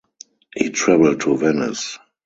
He traveled to Venice.